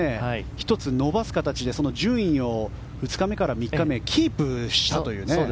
１つ伸ばす形で順位を２日目から３日目キープしたという。